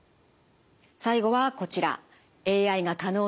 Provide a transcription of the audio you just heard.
最後はこちら。